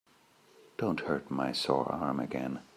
Don't hurt my sore arm again.